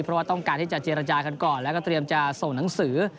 เพราะว่าต้องการที่จะเจรจากันก่อนแล้วก็เตรียมจะส่งหนังสือ